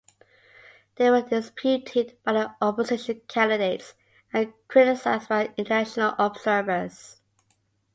They were disputed by the opposition candidates and criticized by international observers.